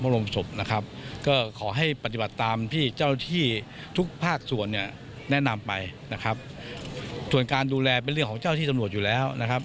เราดูแลเป็นเรื่องของเจ้าที่จำนวนอยู่แล้วนะคะ